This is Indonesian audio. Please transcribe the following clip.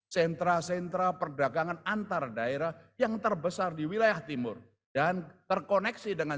sentra sentra perdagangan antar daerah yang terbesar di wilayah timur dan terkoneksi dengan